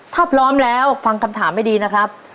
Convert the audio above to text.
ถ้าพร้อมแล้วฟังคำถามให้ดีนะครับ